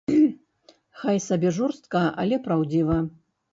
Хай сабе жорстка, але праўдзіва.